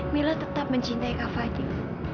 mila tetap mencintai kak fadil